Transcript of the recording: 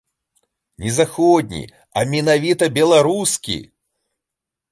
Ні заходні, а менавіта беларускі.